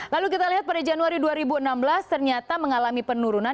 lalu kita lihat pada januari dua ribu enam belas ternyata mengalami penurunan